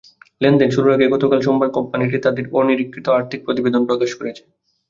লেনদেন শুরুর আগে গতকাল সোমবার কোম্পানিটি তাদের অনিরীক্ষিত আর্থিক প্রতিবেদন প্রকাশ করেছে।